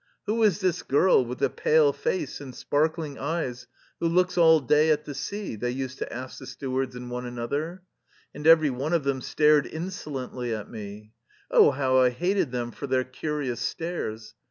" Who is this girl with the pale face and sparkling eyes who looks all day at the sea? " they used to ask the stewards and one another. And every one of them stared insolently at me. Oh, how I hated them for their curious stares!